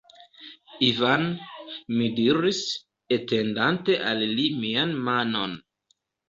Ivan, mi diris, etendante al li mian manon.